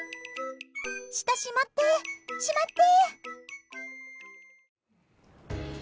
舌しまって、しまって！